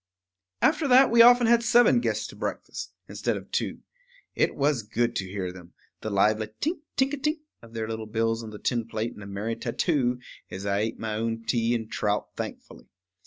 After that we had often seven guests to breakfast, instead of two. It was good to hear them, the lively tink, tink a tink of their little bills on the tin plate in a merry tattoo, as I ate my own tea and trout thankfully.